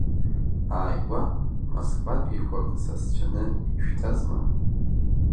Ааигәа Москватәиқәак сасцәаны ишәҭазма?